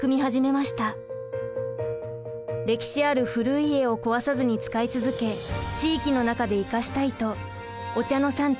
歴史ある古い家を壊さずに使い続け地域の中で生かしたいとお茶の産地